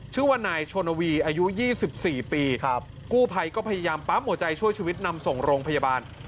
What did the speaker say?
ชื่อว่านายชนวีอายุ๒๔ปีครับกู้ภัยก็พยายามปั๊มหัวใจช่วยชีวิตนำส่งโรงพยาบาล